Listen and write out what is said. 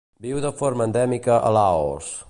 Viu de forma endèmica a Laos.